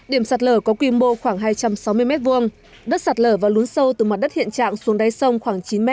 điểm sạt lở có quy mô khoảng hai trăm sáu mươi m hai đất sạt lở và lún sâu từ mặt đất hiện trạng xuống đáy sông khoảng chín m